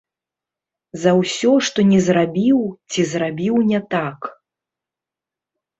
За ўсё, што не зрабіў ці зрабіў не так.